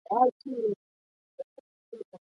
په راتلونکي کې به زموږ هېواد ډېر باسواده ځوانان ولري.